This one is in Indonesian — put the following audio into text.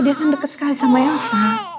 dia kan dekat sekali sama elsa